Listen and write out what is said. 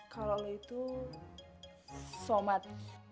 kalau lo itu somat